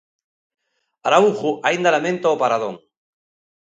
Araújo aínda lamenta o paradón.